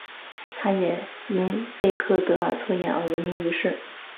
她也因贝克德尔测验而闻名于世。